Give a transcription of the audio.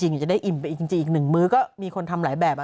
อย่างงั้นจะได้อิ่มไปจริงนึงมื้อก็มีคนทำหลายแบบ